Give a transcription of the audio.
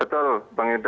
betul bang yuda